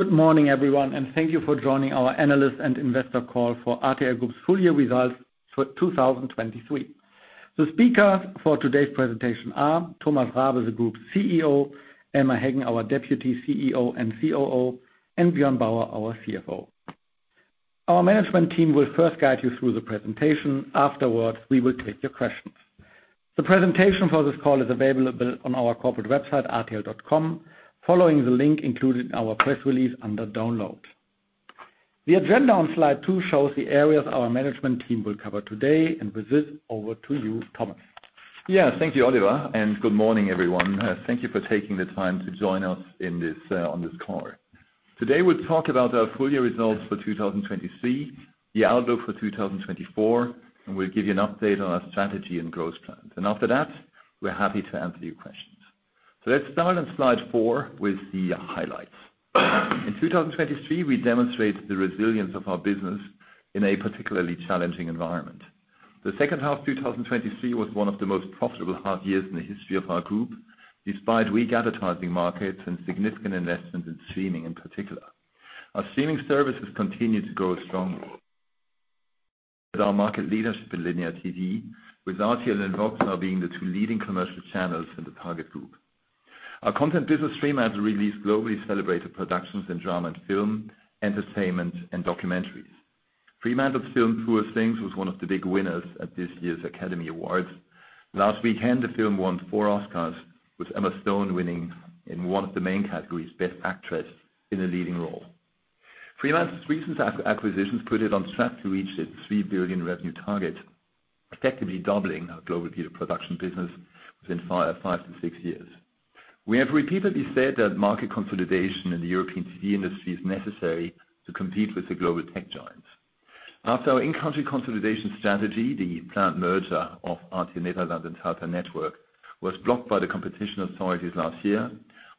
Good morning, everyone, and thank you for joining our Analyst and Investor Call for RTL Group's Full Year Results for 2023. The speakers for today's presentation are Thomas Rabe, the Group's CEO, Elmar Heggen, our Deputy CEO and COO, and Björn Bauer, our CFO. Our management team will first guide you through the presentation. Afterwards, we will take your questions. The presentation for this call is available on our corporate website, rtl.com, following the link included in our press release under Download. The agenda on slide two shows the areas our management team will cover today, and with this, over to you, Thomas. Yeah, thank you, Oliver, and good morning, everyone. Thank you for taking the time to join us on this call. Today, we'll talk about our full year results for 2023, the outlook for 2024, and we'll give you an update on our strategy and growth plans. And after that, we're happy to answer your questions. So let's start on slide four with the highlights. In 2023, we demonstrated the resilience of our business in a particularly challenging environment. The second half of 2023 was one of the most profitable half years in the history of our group, despite weak advertising markets and significant investments in streaming, in particular. Our streaming services continued to grow strongly. With our market leadership in linear TV, with RTL and Vox now being the two leading commercial channels in the target group. Our content business, Fremantle, released globally celebrated productions in drama and film, entertainment, and documentaries. Fremantle's film, Poor Things, was one of the big winners at this year's Academy Awards. Last weekend, the film won four Oscars, with Emma Stone winning in one of the main categories, Best Actress in a Leading Role. Fremantle's recent acquisitions put it on track to reach its 3 billion revenue target, effectively doubling our global production business within 5-6 years. We have repeatedly said that market consolidation in the European TV Industry is necessary to compete with the global tech giants. After our in-country consolidation strategy, the planned merger of RTL Nederland and Talpa Network was blocked by the competition authorities last year,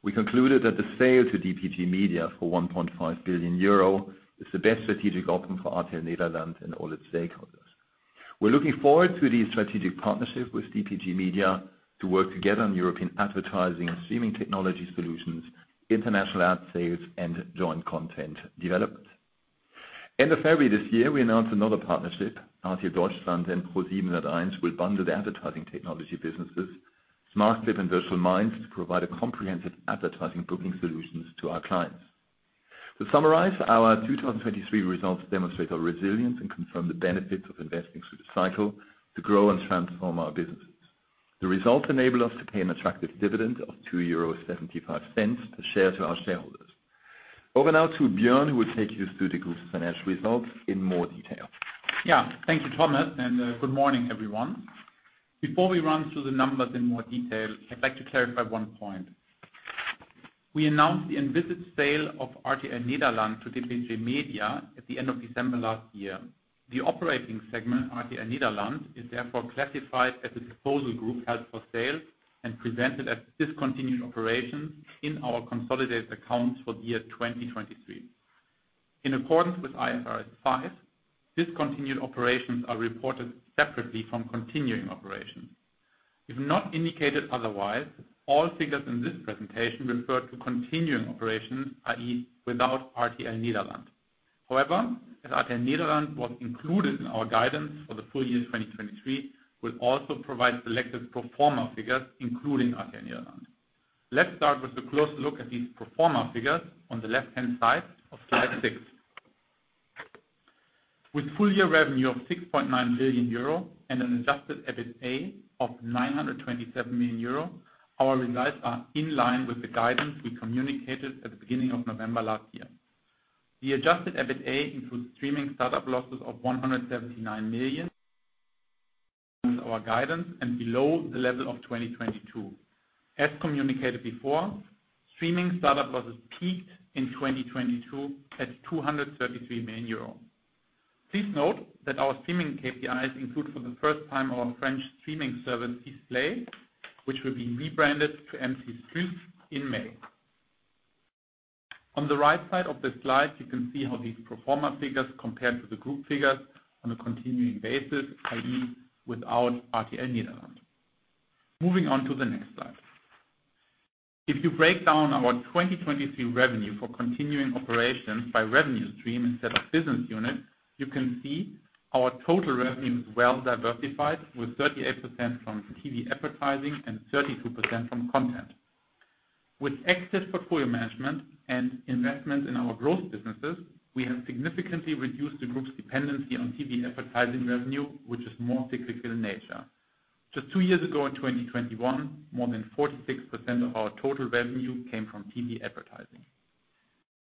we concluded that the sale to DPG Media for 1.5 billion euro is the best strategic option for RTL Nederland and all its stakeholders. We're looking forward to the strategic partnership with DPG Media to work together on European advertising and streaming technology solutions, international ad sales, and joint content development. End of February this year, we announced another partnership, RTL Deutschland and ProSiebenSat.1, will bundle the advertising technology businesses, Smartclip and Virtual Minds, to provide a comprehensive advertising booking solutions to our clients. To summarize, our 2023 results demonstrate our resilience and confirm the benefits of investing through the cycle to grow and transform our businesses. The results enable us to pay an attractive dividend of 2.75 euros per share to our shareholders. Over now to Björn, who will take you through the group's financial results in more detail. Yeah. Thank you, Thomas, and good morning, everyone. Before we run through the numbers in more detail, I'd like to clarify one point. We announced the envisaged sale of RTL Nederland to DPG Media at the end of December last year. The operating segment, RTL Nederland, is therefore classified as a disposal group held for sale and presented as discontinued operations in our consolidated accounts for the year 2023. In accordance with IFRS 5, discontinued operations are reported separately from continuing operations. If not indicated otherwise, all figures in this presentation refer to continuing operations, i.e., without RTL Nederland. However, as RTL Nederland was included in our guidance for the full year 2023, we'll also provide selected pro forma figures, including RTL Nederland. Let's start with a close look at these pro forma figures on the left-hand side of slide six. With full-year revenue of 6.9 billion euro and an adjusted EBITA of 927 million euro, our results are in line with the guidance we communicated at the beginning of November last year. The adjusted EBITA includes streaming startup losses of 179 million, our guidance, and below the level of 2022. As communicated before, streaming startup losses peaked in 2022 at 233 million euros. Please note that our streaming KPIs include, for the first time, our French streaming service, 6play, which will be rebranded to M6+ in May. On the right side of the slide, you can see how these pro forma figures compare to the group figures on a continuing basis, i.e., without RTL Nederland. Moving on to the next slide. If you break down our 2023 revenue for continuing operations by revenue stream instead of business unit, you can see our total revenue is well diversified, with 38% from TV advertising and 32% from content. With excess portfolio management and investment in our growth businesses, we have significantly reduced the group's dependency on TV advertising revenue, which is more cyclical in nature. Just two years ago, in 2021, more than 46% of our total revenue came from TV advertising.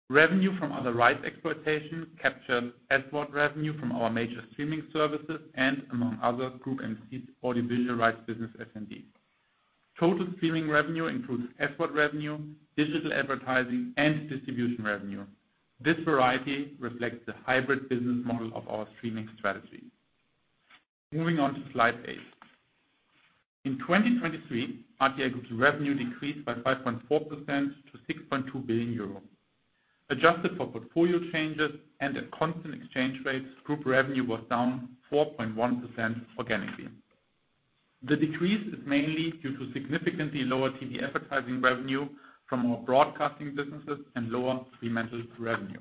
Revenue from other rights exploitation captured SVOD revenue from our major streaming services and among other Groupe M6's, Audiovisual Rights business, SND. Total streaming revenue includes SVOD revenue, digital advertising, and distribution revenue. This variety reflects the hybrid business model of our streaming strategy. Moving on to slide eight. In 2023, RTL Group's revenue decreased by 5.4% to 6.2 billion euro. Adjusted for portfolio changes and at constant exchange rates, group revenue was down 4.1% organically. The decrease is mainly due to significantly lower TV advertising revenue from our broadcasting businesses and lower Fremantle revenue.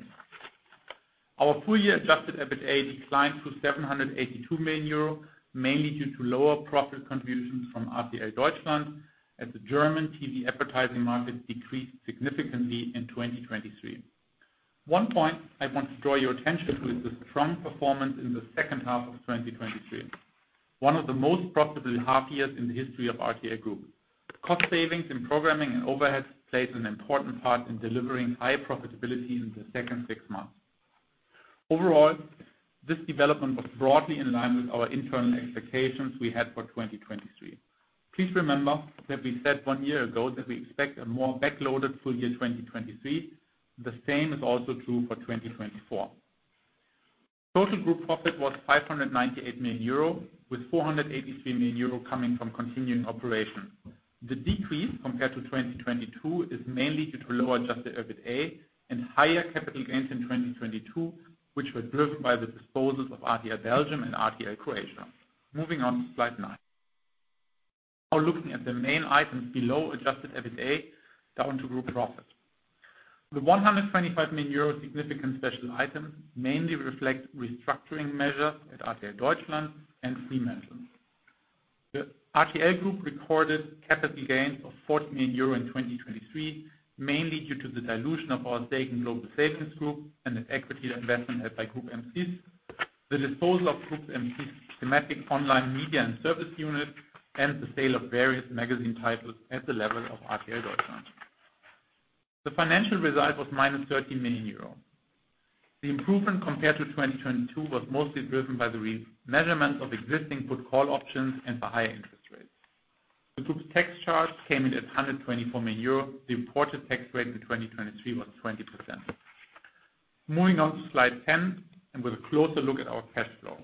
Our full year Adjusted EBITA declined to 782 million euro, mainly due to lower profit contributions from RTL Deutschland, as the German TV advertising market decreased significantly in 2023. One point I want to draw your attention to is the strong performance in the second half of 2023. One of the most profitable half years in the history of RTL Group. Cost savings in programming and overheads played an important part in delivering high profitability in the second six months. Overall, this development was broadly in line with our internal expectations we had for 2023. Please remember that we said one year ago that we expect a more backloaded full year 2023. The same is also true for 2024. Total group profit was 598 million euro, with 483 million euro coming from continuing operations. The decrease compared to 2022 is mainly due to lower adjusted EBITDA and higher capital gains in 2022, which were driven by the disposals of RTL Belgium and RTL Croatia. Moving on to slide nine. Now looking at the main items below, adjusted EBITDA, down to group profit. The 125 million euro significant special item mainly reflect restructuring measures at RTL Deutschland and Fremantle. The RTL Group recorded capital gains of 40 million euro in 2023, mainly due to the dilution of our stake in Global Savings Group and an equity investment held by Groupe M6, the disposal of Groupe M6's thematic online media and service unit, and the sale of various magazine titles at the level of RTL Deutschland. The financial result was -13 million euros. The improvement compared to 2022 was mostly driven by the re-measurement of existing put call options and the higher interest rates. The group's tax charge came in at 124 million euros. The implied tax rate in 2023 was 20%. Moving on to slide 10, and with a closer look at our cash flow.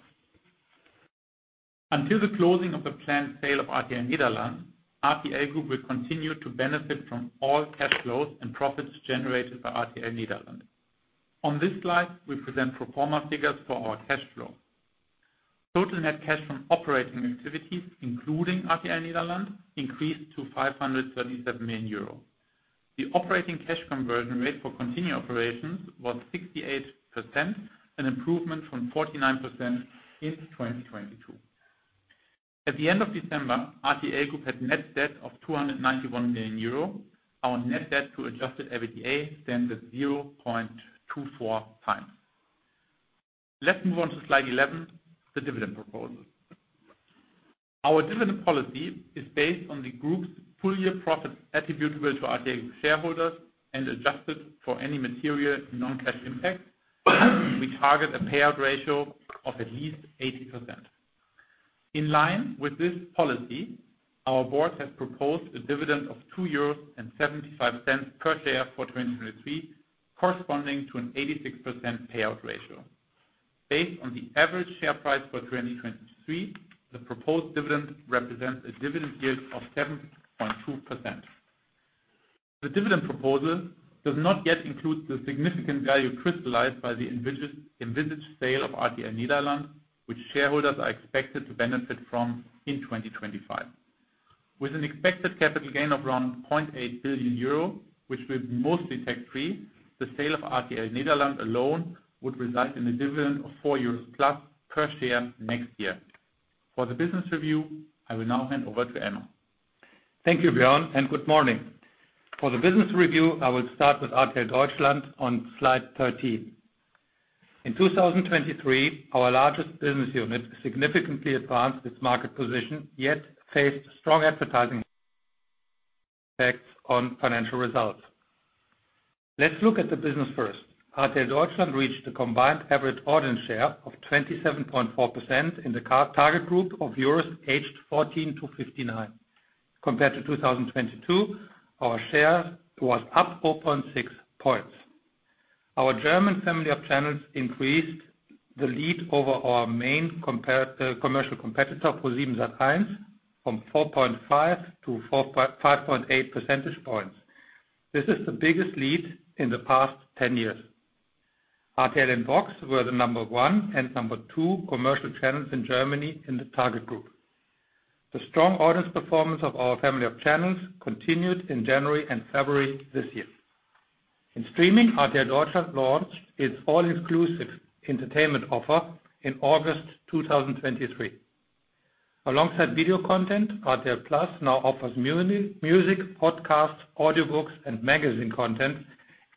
Until the closing of the planned sale of RTL Nederland, RTL Group will continue to benefit from all cash flows and profits generated by RTL Nederland. On this slide, we present pro forma figures for our cash flow. Total net cash from operating activities, including RTL Nederland, increased to 537 million euro. The operating cash conversion rate for continuing operations was 68%, an improvement from 49% in 2022. At the end of December, RTL Group had net debt of 291 million euro. Our net debt to adjusted EBITDA stand at 0.24x. Let's move on to slide 11, the dividend proposal. Our dividend policy is based on the group's full-year profits attributable to RTL shareholders and adjusted for any material non-cash impact. We target a payout ratio of at least 80%. In line with this policy, our board has proposed a dividend of 2.75 euros per share for 2023, corresponding to an 86% payout ratio. Based on the average share price for 2023, the proposed dividend represents a dividend yield of 7.2%. The dividend proposal does not yet include the significant value crystallized by the envisaged sale of RTL Nederland, which shareholders are expected to benefit from in 2025. With an expected capital gain of around 0.8 billion euro, which will be mostly tax-free, the sale of RTL Nederland alone would result in a dividend of 4+ euros per share next year. For the business review, I will now hand over to Elmar. Thank you, Björn, and good morning. For the business review, I will start with RTL Deutschland on slide 13. In 2023, our largest business unit significantly advanced its market position, yet faced strong advertising effects on financial results. Let's look at the business first. RTL Deutschland reached a combined average audience share of 27.4% in the CA target group of viewers aged 14 to 59. Compared to 2022, our share was up 4.6 points. Our German family of channels increased the lead over our main commercial competitor, ProSiebenSat.1, from 4.5 to 5.8 percentage points. This is the biggest lead in the past 10 years. RTL and VOX were the number one and number two commercial channels in Germany in the target group. The strong audience performance of our family of channels continued in January and February this year. In streaming, RTL Deutschland launched its all-inclusive entertainment offer in August 2023. Alongside video content, RTL+ now offers music, podcasts, audiobooks, and magazine content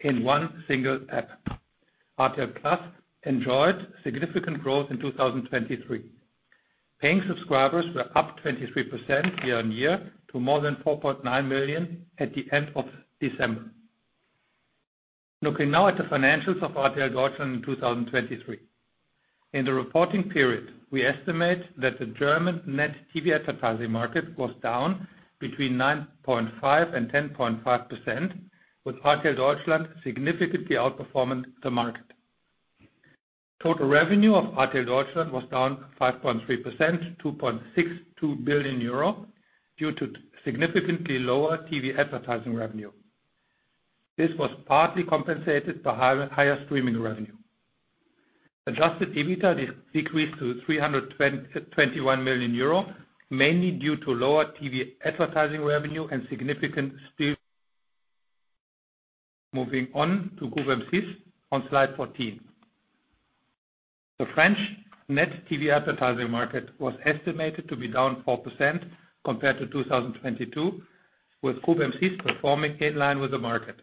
in one single app. RTL+ enjoyed significant growth in 2023. Paying subscribers were up 23% year on year to more than 4.9 million at the end of December. Looking now at the financials of RTL Deutschland in 2023. In the reporting period, we estimate that the German net TV advertising market was down between 9.5% and 10.5%, with RTL Deutschland significantly outperforming the market. Total revenue of RTL Deutschland was down 5.3%, 2.62 billion euro, due to significantly lower TV advertising revenue. This was partly compensated by higher streaming revenue. Adjusted EBITDA decreased to 321 million euro, mainly due to lower TV advertising revenue and significant still. Moving on to Group M6 on slide 14. The French net TV advertising market was estimated to be down 4% compared to 2022, with Group M6 performing in line with the market.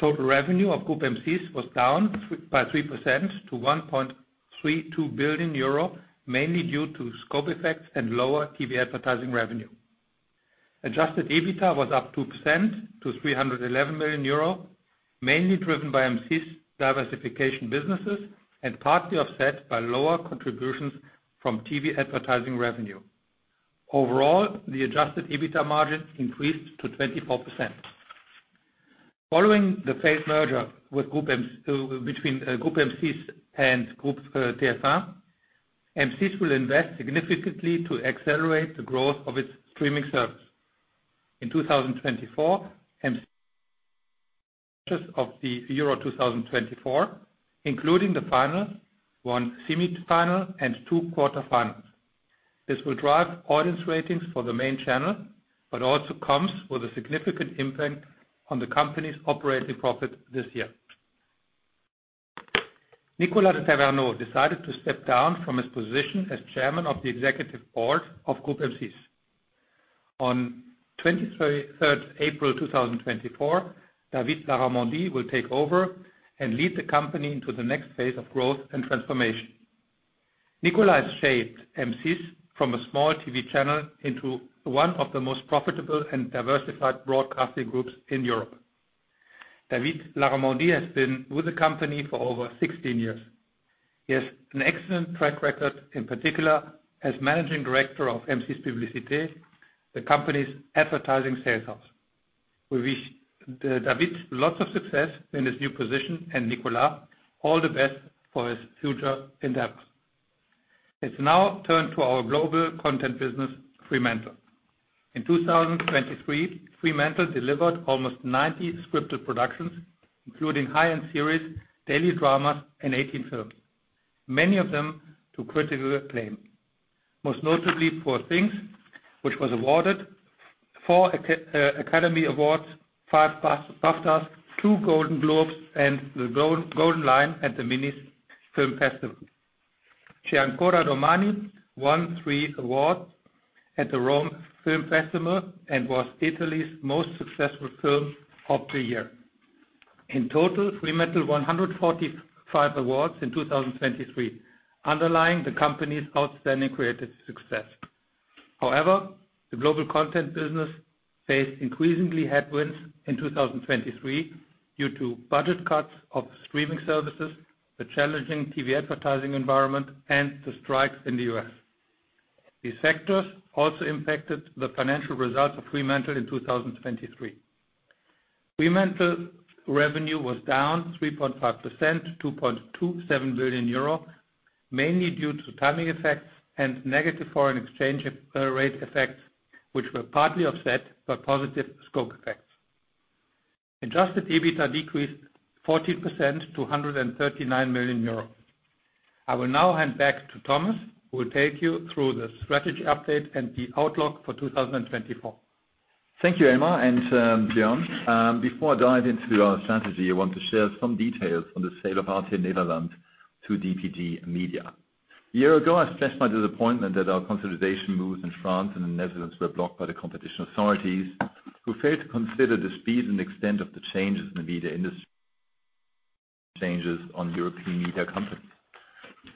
Total revenue of Group M6 was down by 3% to 1.32 billion euro, mainly due to scope effects and lower TV advertising revenue. Adjusted EBITDA was up 2% to 311 million euro, mainly driven by M6 diversification businesses, and partly offset by lower contributions from TV advertising revenue. Overall, the adjusted EBITDA margin increased to 24%. Following the failed merger between Groupe M6 and Groupe TF1, M6 will invest significantly to accelerate the growth of its streaming service. In 2024, of the Euro 2024, including the final, 1 semifinal, and 2 quarterfinals. This will drive audience ratings for the main channel, but also comes with a significant impact on the company's operating profit this year. Nicolas de Tavernost decided to step down from his position as Chairman of the Executive Board of Groupe M6. On 23 March 2024, David Larramendy will take over and lead the company into the next phase of growth and transformation. Nicolas has shaped M6 from a small TV channel into one of the most profitable and diversified broadcasting groups in Europe. David Larramendy has been with the company for over 16 years. He has an excellent track record, in particular, as managing director of M6 Publicité, the company's advertising sales house. We wish, David, lots of success in his new position, and Nicolas, all the best for his future endeavors. Let's now turn to our global content business, Fremantle. In 2023, Fremantle delivered almost 90 scripted productions, including high-end series, daily dramas, and 18 films, many of them to critical acclaim. Most notably Poor Things, which was awarded four Academy Awards, five BAFTAs, two Golden Globes, and the Golden Lion at the Venice Film Festival. C'è ancora domani won three awards at the Rome Film Festival and was Italy's most successful film of the year. In total, Fremantle, 145 awards in 2023, underlining the company's outstanding creative success. However, the global content business faced increasingly headwinds in 2023 due to budget cuts of streaming services, the challenging TV advertising environment, and the strikes in the U.S. These factors also impacted the financial results of Fremantle in 2023. Fremantle revenue was down 3.5% to 2.27 billion euro, mainly due to timing effects and negative foreign exchange rate effects, which were partly offset by positive scope effects. Adjusted EBITDA decreased 14% to 139 million euros. I will now hand back to Thomas, who will take you through the strategy update and the outlook for 2024. Thank you, Elmar and, John. Before I dive into our strategy, I want to share some details on the sale of RTL Nederland to DPG Media. A year ago, I expressed my disappointment that our consolidation moves in France and the Netherlands were blocked by the competition authorities, who failed to consider the speed and extent of the changes in the media industry, changes on European media companies.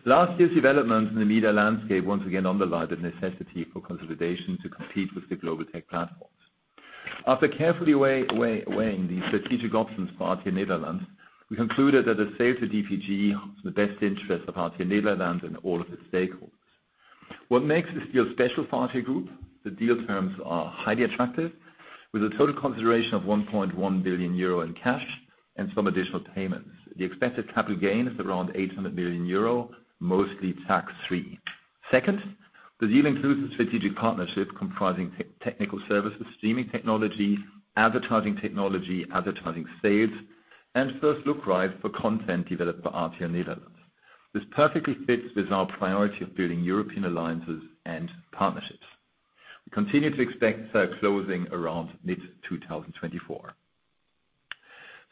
Last year's developments in the media landscape once again underlined the necessity for consolidation to compete with the global tech platforms. After carefully weighing the strategic options for RTL Nederland, we concluded that the sale to DPG is in the best interest of RTL Nederland and all of its stakeholders. What makes this deal special for RTL Group? The deal terms are highly attractive, with a total consideration of 1.1 billion euro in cash and some additional payments. The expected capital gain is around 800 million euro, mostly tax-free. Second, the deal includes a strategic partnership comprising technical services, streaming technology, advertising technology, advertising sales, and first look rights for content developed by RTL Nederland. This perfectly fits with our priority of building European alliances and partnerships. We continue to expect the closing around mid-2024.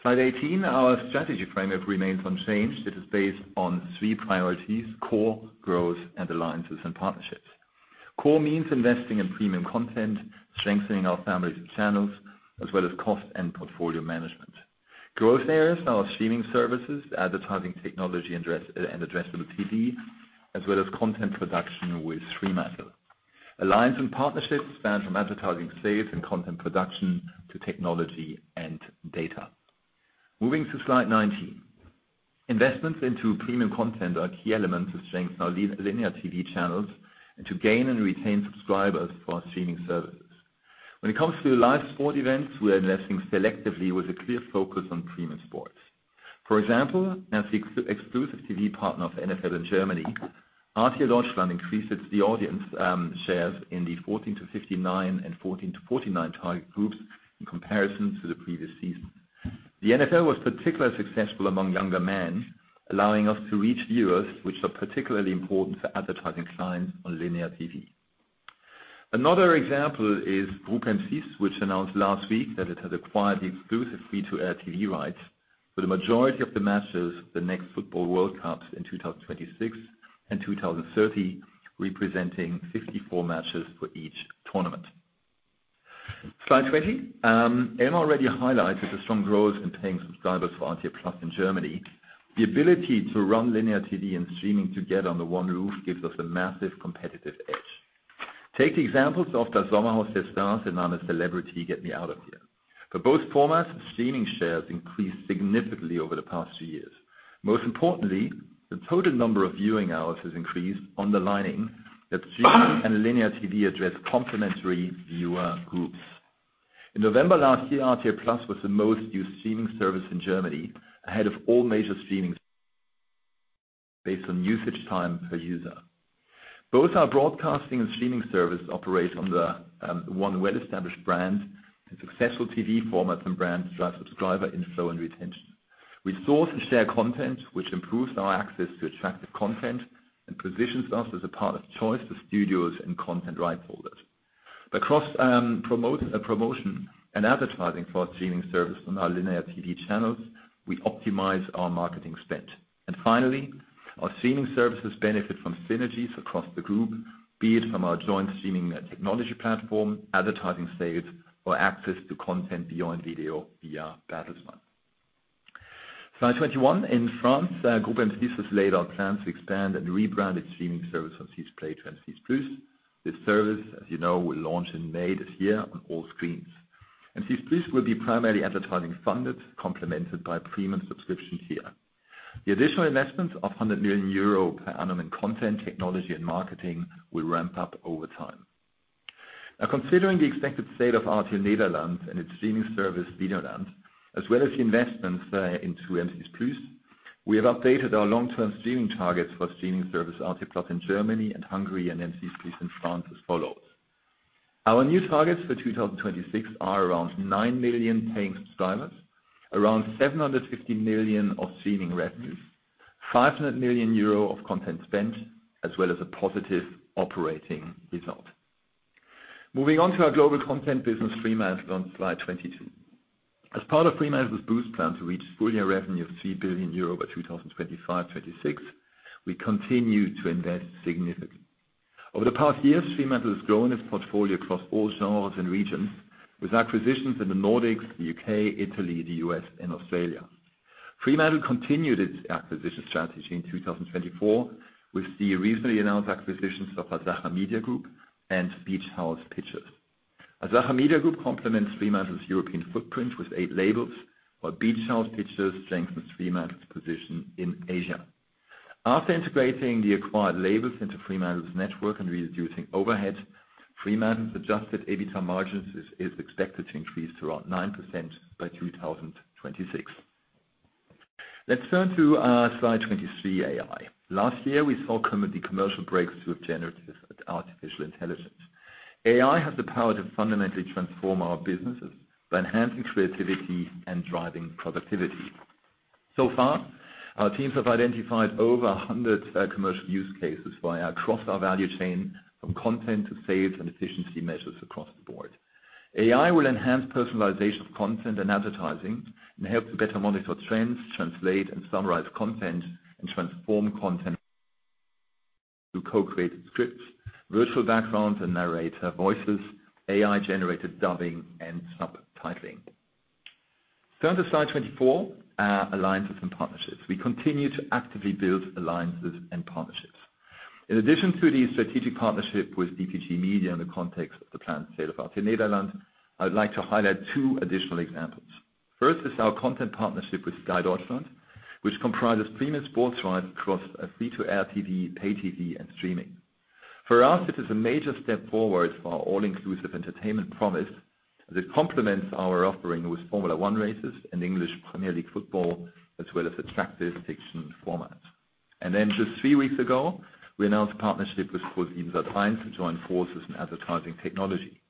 Slide 18, our strategy framework remains unchanged. It is based on three priorities: core, growth, and alliances and partnerships. Core means investing in premium content, strengthening our family of channels, as well as cost and portfolio management. Growth areas, our streaming services, advertising technology, and addressable TV, as well as content production with Fremantle. Alliances and partnerships span from advertising sales and content production to technology and data. Moving to slide 19. Investments into premium content are key elements to strengthen our linear TV channels, and to gain and retain subscribers for our streaming services. When it comes to live sports events, we are investing selectively with a clear focus on premium sports. For example, as the exclusive TV partner of NFL in Germany, RTL Deutschland increased its audience shares in the 14-59 and 14-49 target groups in comparison to the previous season. The NFL was particularly successful among younger men, allowing us to reach viewers which are particularly important for advertising clients on linear TV. Another example is Groupe M6, which announced last week that it has acquired the exclusive free-to-air TV rights for the majority of the matches, the next football World Cup in 2026 and 2030, representing 54 matches for each tournament. Slide 20. Elmar already highlighted the strong growth in paying subscribers for RTL+ in Germany. The ability to run linear TV and streaming together under one roof, gives us a massive competitive edge. Take the examples of Das Sommerhaus der Stars and I'm a Celebrity... Get Me Out of Here! For both formats, streaming shares increased significantly over the past two years. Most importantly, the total number of viewing hours has increased, underlining that streaming and linear TV address complementary viewer groups. In November last year, RTL+ was the most used streaming service in Germany, ahead of all major streaming, based on usage time per user. Both our broadcasting and streaming services operate on the one well-established brand, and successful TV formats and brands drive subscriber inflow and retention. We source and share content, which improves our access to attractive content and positions us as a partner of choice for studios and content right holders. But cross-promotion and advertising for our streaming service on our linear TV channels, we optimize our marketing spend. And finally, our streaming services benefit from synergies across the group, be it from our joint streaming technology platform, advertising sales, or access to content beyond video via Bertelsmann. Slide 21. In France, Groupe M6 has laid out plans to expand and rebrand its streaming service from 6play to M6+. This service, as you know, will launch in May this year on all screens. M6+ will be primarily advertising funded, complemented by premium subscription tier. The additional investment of 100 million euro per annum in content, technology, and marketing, will ramp up over time. Now, considering the expected state of RTL Nederland and its streaming service, Videoland, as well as the investments into M6+, we have updated our long-term streaming targets for streaming service, RTL+ in Germany and Hungary, and M6+ in France as follows: Our new targets for 2026 are around 9 million paying subscribers, around 750 million of streaming revenues, 500 million euro of content spent, as well as a positive operating result. Moving on to our global content business, Fremantle, on slide 22. As part of Fremantle's boost plan to reach full-year revenue of 3 billion euro by 2025-26, we continue to invest significantly. Over the past years, Fremantle has grown its portfolio across all genres and regions, with acquisitions in the Nordics, the U.K., Italy, the U.S., and Australia. Fremantle continued its acquisition strategy in 2024, with the recently announced acquisitions of Asacha Media Group and Beach House Pictures. Asacha Media Group complements Fremantle's European footprint with eight labels, while Beach House Pictures strengthens Fremantle's position in Asia. After integrating the acquired labels into Fremantle's network and reducing overhead, Fremantle's adjusted EBITDA margins is expected to increase to around 9% by 2026. Let's turn to slide 23, AI. Last year, we saw comedy commercial breakthrough of generative artificial intelligence. AI has the power to fundamentally transform our businesses by enhancing creativity and driving productivity. So far, our teams have identified over 100 commercial use cases via across our value chain, from content to sales and efficiency measures across the board. AI will enhance personalization of content and advertising, and help to better monitor trends, translate and summarize content, and transform content to co-create scripts, virtual backgrounds and narrator voices, AI-generated dubbing and subtitling. Turn to slide 24, our alliances and partnerships. We continue to actively build alliances and partnerships. In addition to the strategic partnership with DPG Media in the context of the planned sale of RTL Nederland, I would like to highlight two additional examples. First is our content partnership with Sky Deutschland, which comprises premium sports rights across free-to-air TV, pay TV, and streaming. For us, it is a major step forward for our all-inclusive entertainment promise, that complements our offering with Formula One races and English Premier League football, as well as attractive fiction formats. And then, just three weeks ago, we announced a partnership with Groupe M6 to join forces in advertising technology.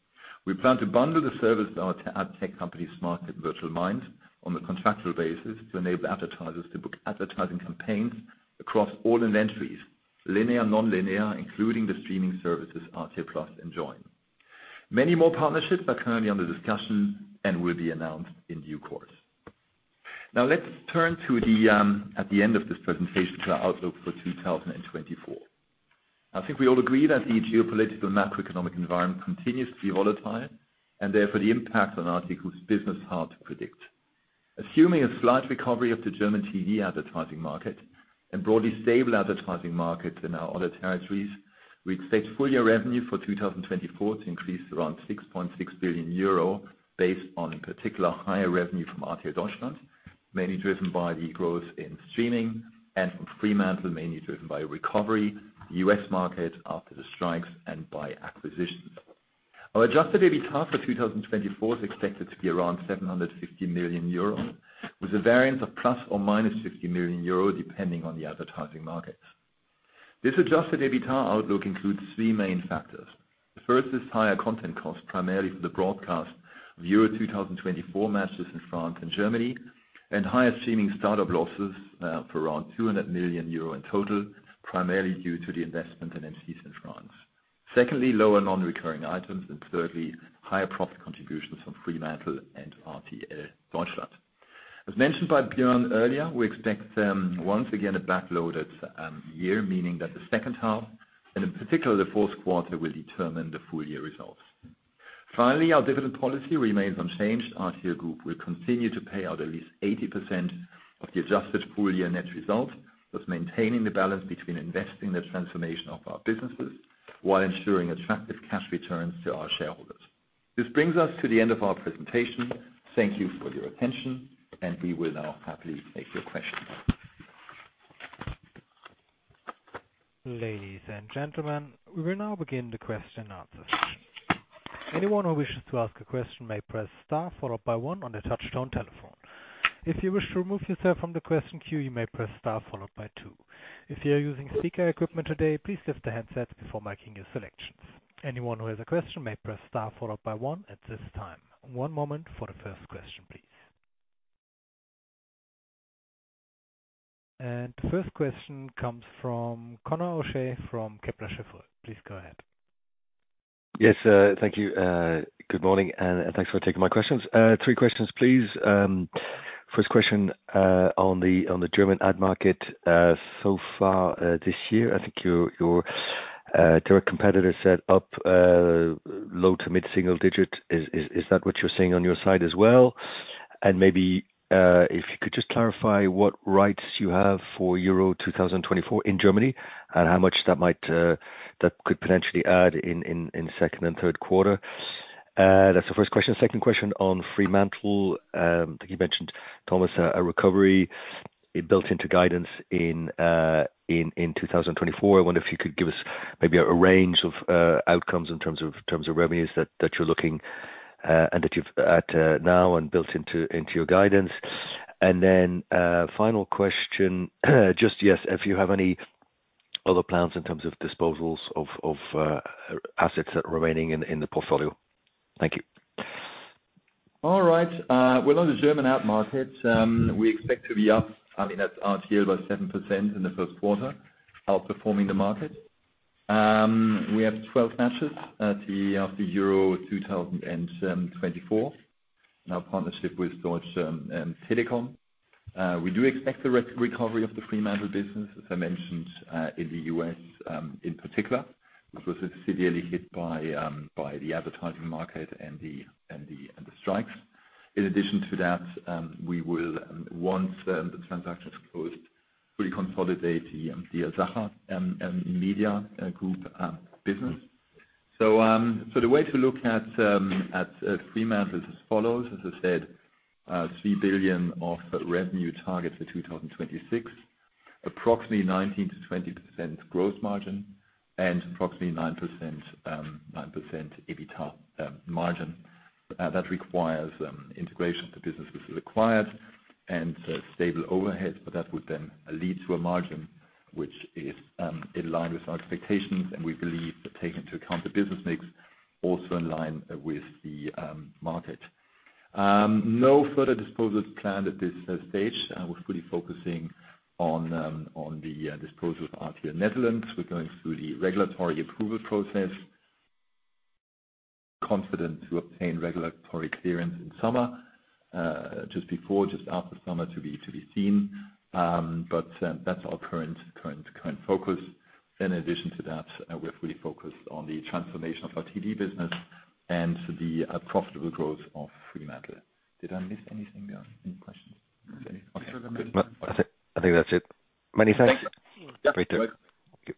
We plan to bundle the service to our ad tech company, Smartclip and Virtual Minds, on a contractual basis, to enable advertisers to book advertising campaigns across all inventories, linear, nonlinear, including the streaming services, RTL+ and Joyn. Many more partnerships are currently under discussion and will be announced in due course. Now, let's turn to at the end of this presentation, to our outlook for 2024. I think we all agree that the geopolitical macroeconomic environment continues to be volatile, and therefore, the impact on RTL Group's business hard to predict. Assuming a slight recovery of the German TV advertising market and broadly stable advertising market in our other territories, we expect full year revenue for 2024 to increase around 6.6 billion euro, based on particular higher revenue from RTL Deutschland, mainly driven by the growth in streaming and from Fremantle, mainly driven by recovery, US market after the strikes and by acquisitions. Our adjusted EBITDA for 2024 is expected to be around 750 million euros, with a variance of ±50 million euros, depending on the advertising markets. This adjusted EBITDA outlook includes three main factors. The first is higher content costs, primarily for the broadcast of Euro 2024 matches in France and Germany, and higher streaming startup losses for around 200 million euro in total, primarily due to the investment in M6's in France. Secondly, lower non-recurring items, and thirdly, higher profit contributions from Fremantle and RTL Deutschland. As mentioned by Björn earlier, we expect, once again, a backloaded year, meaning that the second half, and in particular, the fourth quarter, will determine the full year results. Finally, our dividend policy remains unchanged. RTL Group will continue to pay out at least 80% of the adjusted full year net result, thus maintaining the balance between investing in the transformation of our businesses, while ensuring attractive cash returns to our shareholders. This brings us to the end of our presentation. Thank you for your attention, and we will now happily take your questions. Ladies and gentlemen, we will now begin the question and answer session. Anyone who wishes to ask a question may press star followed by one on their touchtone telephone. If you wish to remove yourself from the question queue, you may press star followed by two. If you are using speaker equipment today, please lift the handset before making your selections. Anyone who has a question may press star followed by one at this time. One moment for the first question, please. And the first question comes from Conor O'Shea from Kepler Cheuvreux. Please go ahead. Yes, thank you. Good morning, and thanks for taking my questions. Three questions, please. First question, on the German ad market. So far, this year, I think your direct competitor set up low- to mid-single-digit. Is that what you're seeing on your side as well? And maybe, if you could just clarify what rights you have for Euro 2024 in Germany, and how much that might, that could potentially add in second and third quarter. That's the first question. Second question on Fremantle. I think you mentioned, Thomas, a recovery built into guidance in 2024. I wonder if you could give us maybe a range of outcomes in terms of revenues that you're looking and that you've now built into your guidance. And then, final question, just yes, if you have any other plans in terms of disposals of assets that are remaining in the portfolio. Thank you. All right. Well, on the German ad market, we expect to be up, I mean, at RTL, about 7% in the first quarter, outperforming the market. We have 12 matches of the Euro 2024, in our partnership with Deutsche Telekom. We do expect a recovery of the Fremantle business, as I mentioned, in the U.S., in particular, which was severely hit by the advertising market and the strikes. In addition to that, we will, once the transaction is closed, fully consolidate the Asacha Media Group business. So, the way to look at Fremantle is as follows: As I said, 3 billion of revenue targets for 2026, approximately 19%-20% growth margin, and approximately 9% EBITDA margin. That requires integration of the business, which is required and stable overheads, but that would then lead to a margin which is in line with our expectations, and we believe, taking into account the business mix, also in line with the market. No further disposals planned at this stage. We're fully focusing on the disposal of RTL Nederland. We're going through the regulatory approval process. Confident to obtain regulatory clearance in summer, just before, just after summer, to be seen. But that's our current focus. In addition to that, we're fully focused on the transformation of our TV business and the profitable growth of Fremantle. Did I miss anything, Björn, any questions? No, further- I think, I think that's it. Many thanks. Thank you.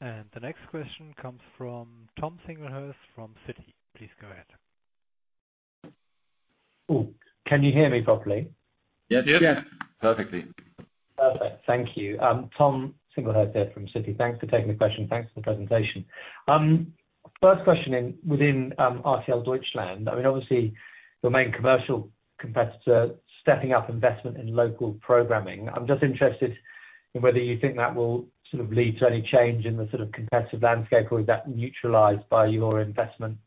The next question comes from Tom Singlehurst, from Citi. Please go ahead. Oh, can you hear me properly? Yes, we can. Yes, perfectly. Perfect. Thank you. Tom Singlehurst here from Citibank. Thanks for taking the question. Thanks for the presentation. First question within RTL Deutschland, I mean, obviously, your main commercial competitor is stepping up investment in local programming. I'm just interested in whether you think that will sort of lead to any change in the sort of competitive landscape, or is that neutralized by your investment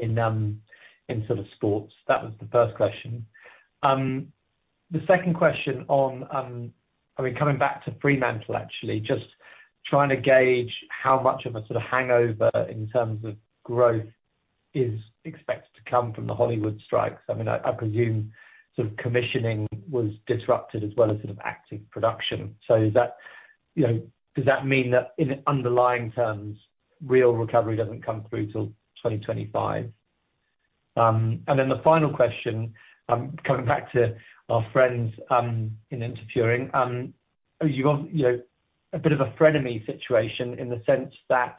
in sort of sports? That was the first question. The second question on, I mean, coming back to Fremantle, actually, just trying to gauge how much of a sort of hangover in terms of growth is expected to come from the Hollywood strikes. I mean, I presume sort of commissioning was disrupted, as well as sort of active production. So does that, you know, does that mean that in underlying terms, real recovery doesn't come through till 2025? And then the final question, coming back to our friends in ProSiebenSat.1, you've got, you know, a bit of a frenemy situation in the sense that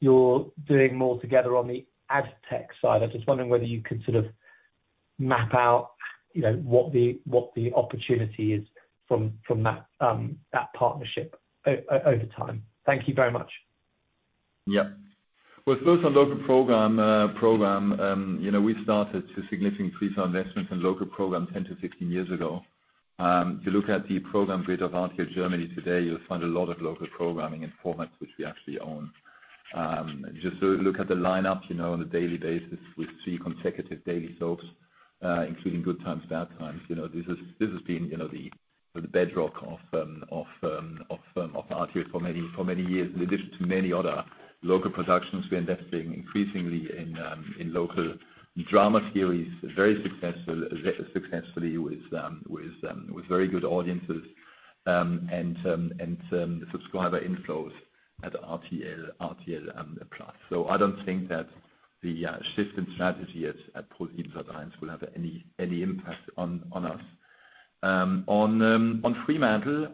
you're doing more together on the ad tech side. I'm just wondering whether you could sort of map out, you know, what the, what the opportunity is from, from that partnership over time. Thank you very much. Yeah. Well, first, on local program, you know, we started to significantly increase our investment in local program 10-15 years ago. If you look at the program grid of RTL Germany today, you'll find a lot of local programming and formats which we actually own. Just, so look at the lineup, you know, on a daily basis, with 3 consecutive daily soaps, including Good Times, Bad Times. You know, this has been, you know, the bedrock of RTL for many, for many years. In addition to many other local productions, we're investing increasingly in local drama series, very successful, successfully with very good audiences, and subscriber inflows at RTL, RTL+, so I don't think that the shift in strategy at ProSiebenSat.1 will have any impact on us. On Fremantle,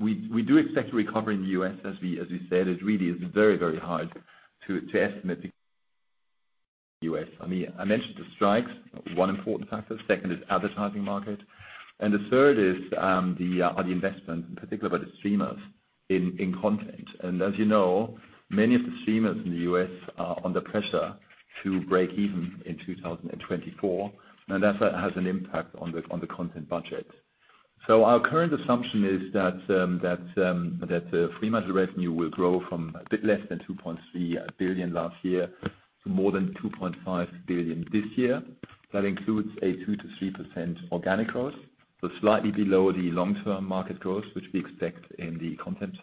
we do expect to recover in the U.S. As we said, it really is very hard to estimate the U.S. I mean, I mentioned the strikes, one important factor. Second is advertising market, and the third is the investment, in particular by the streamers in content. And as you know, many of the streamers in the U.S. are under pressure to break even in 2024, and that's has an impact on the, on the content budget. So our current assumption is that that the Fremantle revenue will grow from a bit less than 2.3 billion last year to more than 2.5 billion this year. That includes a 2%-3% organic growth, so slightly below the long-term market growth, which we expect in the content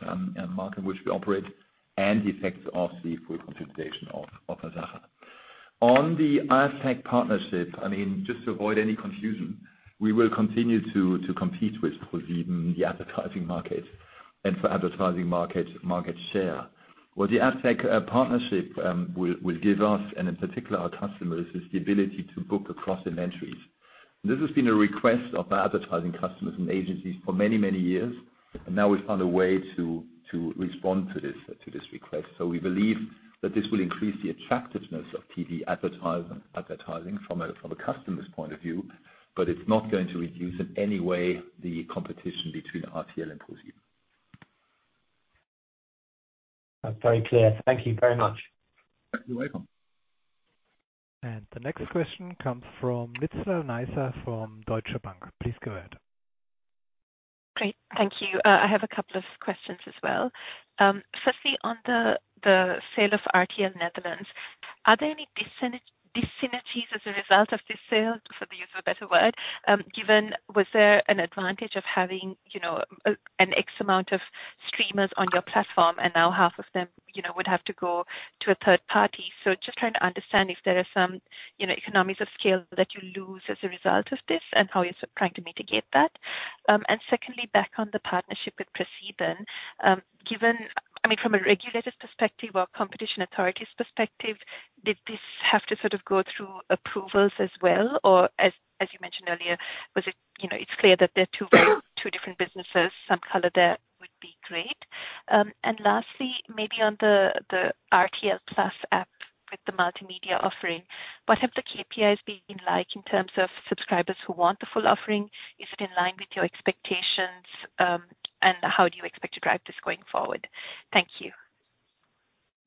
market, which we operate, and the effects of the full consolidation of Asacha. On the Adtech partnership, I mean, just to avoid any confusion, we will continue to compete with ProSieben, the advertising market and for advertising market, market share. What the Adtech partnership will give us, and in particular our customers, is the ability to book across inventories. This has been a request of our advertising customers and agencies for many, many years, and now we've found a way to respond to this request. So we believe that this will increase the attractiveness of TV advertising from a customer's point of view, but it's not going to reduce in any way the competition between RTL and ProSieben. That's very clear. Thank you very much. You're welcome. The next question comes from Nizla Naizer from Deutsche Bank. Please go ahead. Great, thank you. I have a couple of questions as well. Firstly, on the sale of RTL Netherlands, are there any dyssynergies as a result of this sale, for want of a better word? Given, was there an advantage of having, you know, an excess amount of streamers on your platform, and now half of them, you know, would have to go to a third party. So just trying to understand if there are some, you know, economies of scale that you lose as a result of this and how you're trying to mitigate that. And secondly, back on the partnership with ProSieben, given, I mean, from a regulator's perspective or competition authorities' perspective, did this have to sort of go through approvals as well? Or, as you mentioned earlier, was it, you know, it's clear that they're two very different businesses. Some color there would be great. And lastly, maybe on the RTL+ app with the multimedia offering, what have the KPIs been like in terms of subscribers who want the full offering? Is it in line with your expectations, and how do you expect to drive this going forward? Thank you.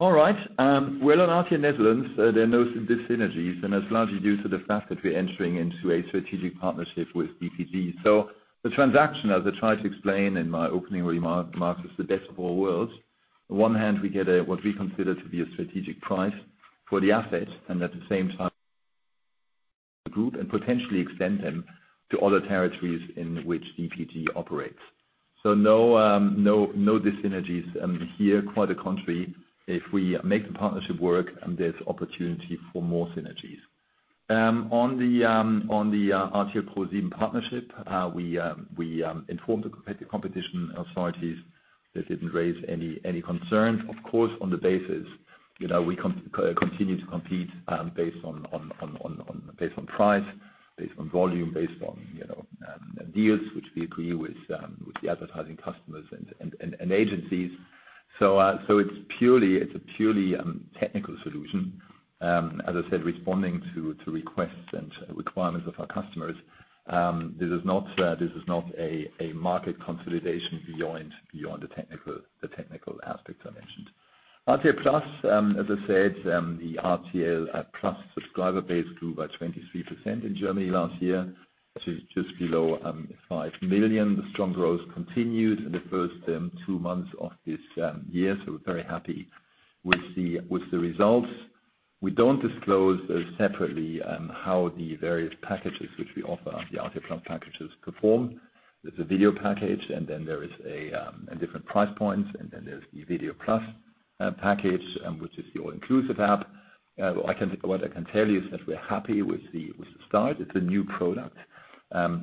All right, well, on RTL Nederland, there are no dyssynergies, and it's largely due to the fact that we're entering into a strategic partnership with DPG. So the transaction, as I tried to explain in my opening remarks, is the best of all worlds. On one hand, we get a, what we consider to be a strategic price for the assets, and at the same time, the group and potentially extend them to other territories in which DPG operates. So no dyssynergies here. Quite the contrary, if we make the partnership work, then there's opportunity for more synergies. On the RTL ProSiebenSat.1 partnership, we informed the competition authorities. They didn't raise any concerns. Of course, on the basis, you know, we continue to compete, based on price, based on volume, based on, you know, deals, which we agree with, with the advertising customers and agencies. So, it's purely, it's a purely technical solution. As I said, responding to requests and requirements of our customers. This is not a market consolidation beyond the technical aspects I mentioned. RTL+, as I said, the RTL+ subscriber base grew by 23% in Germany last year to just below 5 million. The strong growth continues in the first two months of this year, so we're very happy with the results. We don't disclose separately how the various packages which we offer, the RTL+ packages, perform. There's a video package, and then there is a different price point, and then there's the Video Plus package which is the all-inclusive app. What I can tell you is that we're happy with the start. It's a new product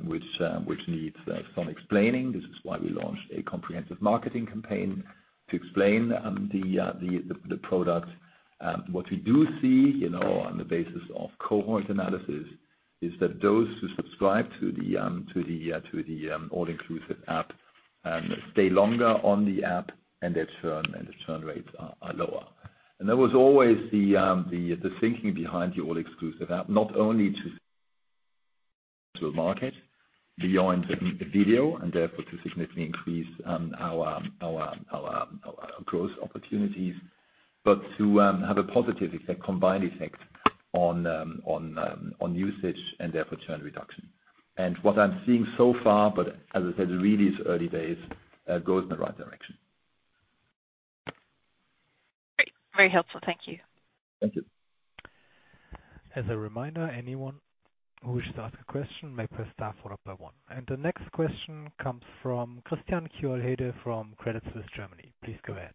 which needs some explaining. This is why we launched a comprehensive marketing campaign to explain the product. What we do see, you know, on the basis of cohort analysis, is that those who subscribe to the all-inclusive app stay longer on the app, and the churn rates are lower. And that was always the thinking behind the all exclusive app, not only to a market beyond video, and therefore to significantly increase our growth opportunities, but to have a positive effect, combined effect on usage and therefore churn reduction. And what I'm seeing so far, but as I said, really it's early days, goes in the right direction. Great. Very helpful. Thank you. Thank you. As a reminder, anyone who wishes to ask a question may press star followed by one. The next question comes from Christian Kiolbassa from Credit Suisse, Germany. Please go ahead.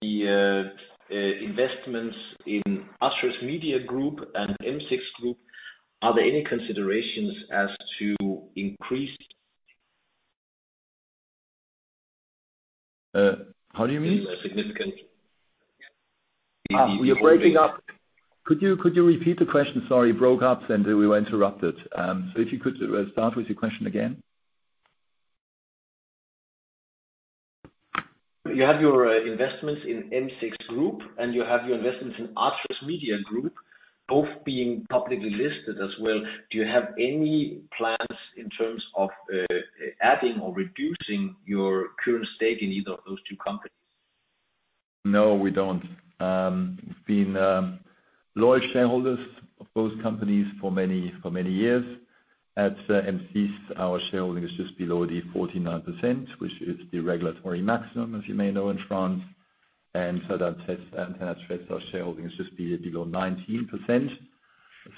The investments in Atresmedia and Groupe M6, are there any considerations as to increase? How do you mean? In a significant- You're breaking up. Could you, could you repeat the question? Sorry, it broke up, and then we were interrupted. If you could, start with your question again. You have your investments in Groupe M6, and you have your investments in Atresmedia, both being publicly listed as well. Do you have any plans in terms of adding or reducing your current stake in either of those two companies? No, we don't. We've been loyal shareholders of both companies for many, for many years. At M6, our shareholding is just below the 49%, which is the regulatory maximum, as you may know, in France. And so that sets our shareholdings just below 19%.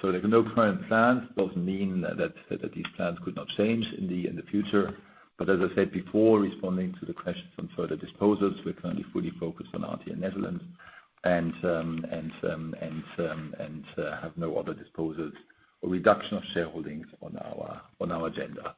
So there's no current plans. Doesn't mean that these plans could not change in the future. But as I said before, responding to the question from further disposals, we're currently fully focused on RTL Netherlands and have no other disposals or reduction of shareholdings on our agenda.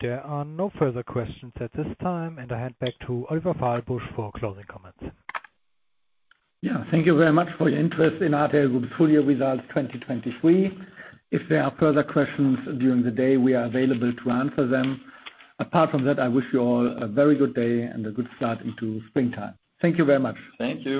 There are no further questions at this time, and I hand back to Oliver Fahlbusch for closing comments. Yeah, thank you very much for your interest in RTL Group's full year results 2023. If there are further questions during the day, we are available to answer them. Apart from that, I wish you all a very good day and a good start into springtime. Thank you very much. Thank you.